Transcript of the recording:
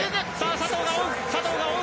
佐藤が追う追う